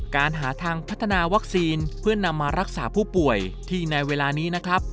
การหาทางพัฒนาวัคซีนเพื่อนำมารักษาผู้ป่วยที่ในเวลานี้นะครับ